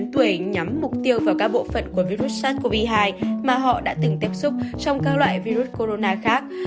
những người cao tuổi nhắm mục tiêu vào các bộ phận của virus sars cov hai mà họ đã từng tiếp xúc trong các loại virus corona khác